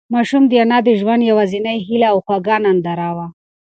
ماشوم د انا د ژوند یوازینۍ هيله او خوږه ننداره وه.